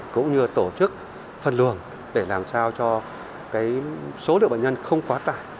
cũng như tổ chức phân luồng để làm sao cho số lượng bệnh nhân không quá tải